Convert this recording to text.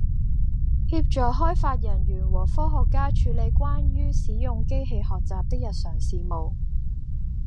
協助開發人員和科學家處理關於使用機器學習的日常事務